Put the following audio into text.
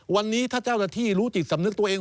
วันนี้ถ้าเจ้าหน้าที่รู้จิตสำนึกตัวเอง